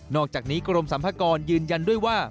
อกจากนี้กรมสัมภากรยืนยันด้วยว่า